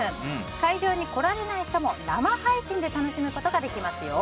会場に来られない人も生配信で楽しむことができますよ。